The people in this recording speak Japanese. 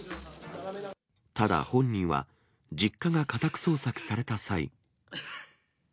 ただ本人は、実家が家宅捜索された際。